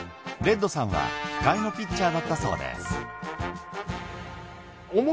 レッドさんは控えのピッチャーだったそうです。